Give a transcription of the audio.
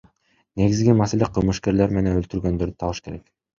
Негизги маселе кылмышкерлер менен өлтүргөндөрдү табыш керек.